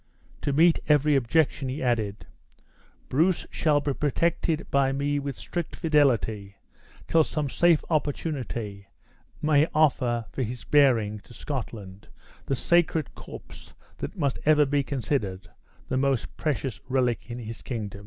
To meet every objection, he added, "Bruce shall be protected by me with strict fidelity till some safe opportunity may offer for his bearing to Scotland the sacred corpse that must ever be considered the most precious relic in his country."